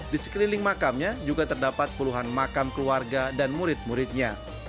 di sekeliling makamnya juga terdapat puluhan makam keluarga dan murid muridnya